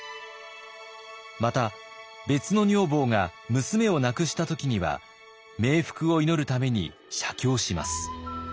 また別の女房が娘を亡くした時には冥福を祈るために写経します。